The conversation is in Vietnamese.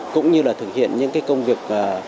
cũng như là thực hiện những cái công việc